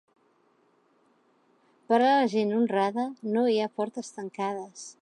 Per a la gent honrada no hi ha portes tancades.